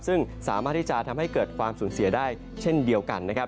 ซึ่งสามารถที่จะทำให้เกิดความสูญเสียได้เช่นเดียวกันนะครับ